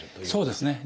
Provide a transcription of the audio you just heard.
そうですね。